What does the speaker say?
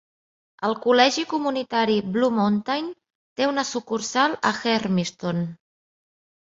El col·legi comunitari Blue Mountain té una sucursal a Hermiston.